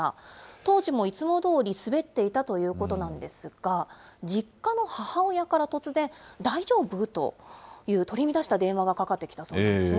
当時もいつもどおり、滑っていたということなんですが、実家の母親から突然、大丈夫？という取り乱した電話がかかってきたそうなんですね。